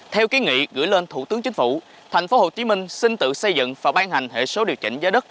theo kế nghị gửi lên thủ tướng chính phủ tp hcm xin tự xây dựng và ban hành hệ số điều chỉnh giá đất